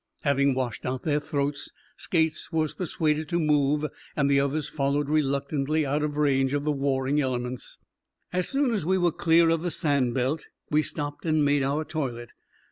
Having washed out their throats, Skates was persuaded to move, and the others followed reluctantly out of range of the warring elements. As soon as we were clear of the sand belt, we stopped and made our toilet.